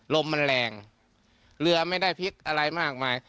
ลมมันแรงเรือไม่ได้พลิกอะไรมากมาย